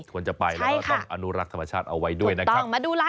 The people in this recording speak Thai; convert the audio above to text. ควรจะไปแล้วก็ต้องอนุรักษ์ธรรมชาติเอาไว้ด้วยนะครับ